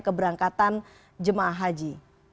keberangkatan jemaah haji